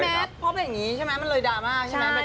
พี่แมทพบแบบนี้ใช่ไหมมันเลยดราม่าใช่ไหมไปต่อ